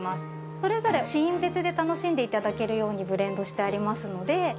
それぞれシーン別で楽しんで頂けるようにブレンドしてありますので。